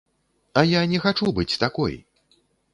А я не хачу быць такой!